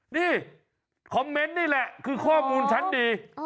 นี่คอมเมนต์นี่แหละคือข้อมูลชั้นดี